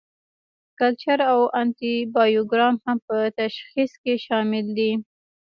کلچر او انټي بایوګرام هم په تشخیص کې شامل دي.